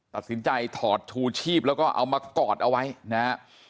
ถอดชูชีพแล้วก็เอามากอดเอาไว้นะฮะ